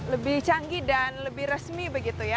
lebih canggih dan lebih resmi begitu ya